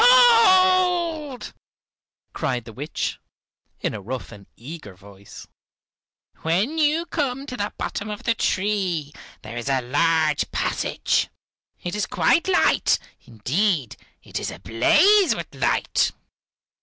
Gold!" cried the witch, in a rough and eager voice. "When you come to the bottom of the tree there is a large passage. It is quite light, indeed it is ablaze with light.